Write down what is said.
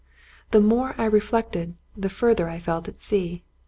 The more I reflected, the further I felt at sea.